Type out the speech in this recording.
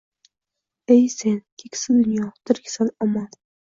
Ey sen, keksa dunyo! Tiriksan, omon